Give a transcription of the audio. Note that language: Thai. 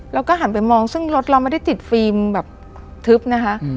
แล้วก็หันไปมองซึ่งรถเราไม่ได้ติดฟิล์มแบบทึบนะคะ